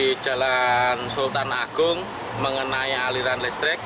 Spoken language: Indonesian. di jalan sultan agung mengenai aliran listrik